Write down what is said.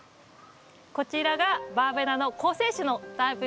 こちらがバーベナの高性種のタイプになります。